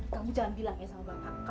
kamu jangan bilang ya sama bapak